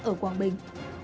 ở quảng bình